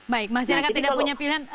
baik masyarakat tidak punya pilihan